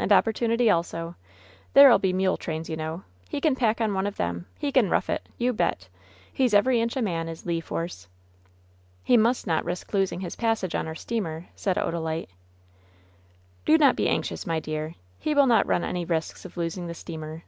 And opportunity also. There'll be mule trains, you know. He can pack on one of them. He can rough it ! You bet ! He's every inch a man, is Le Force!" "He must not risk losing his passage on our steamer," said Odalite. "Do not be anxious, my dear; he will not run any risks of losing the steamer.